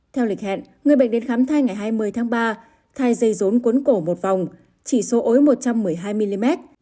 theo lịch hẹn người bệnh đến khám thai ngày hai mươi tháng ba thai dây rốn cuốn cổ một vòng chỉ số ối một trăm một mươi hai mm